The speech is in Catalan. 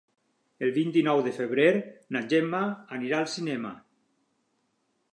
El vint-i-nou de febrer na Gemma anirà al cinema.